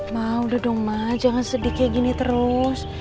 ma udah dong ma jangan sedih kayak gini terus